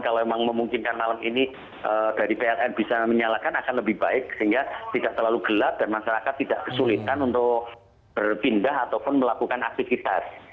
kalau memang memungkinkan malam ini dari pln bisa menyalakan akan lebih baik sehingga tidak terlalu gelap dan masyarakat tidak kesulitan untuk berpindah ataupun melakukan aktivitas